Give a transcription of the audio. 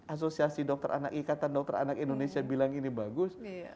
asosiasi dokter anak ikatan dokter anak indonesia bilang ini bagus